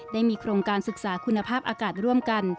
ได้มีโครงการศึกษาคุณภาพอากาศร่วมกัน